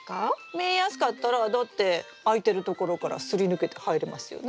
見えやすかったらだって空いてるところからすり抜けて入れますよね。